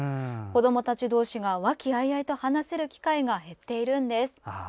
子どもたち同士が和気あいあいと話せる機会が減っているんです。